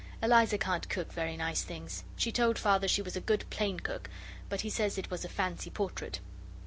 Eliza can't cook very nice things. She told Father she was a good plain cook, but he says it was a fancy portrait.